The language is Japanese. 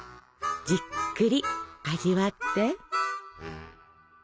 じっくり味わって。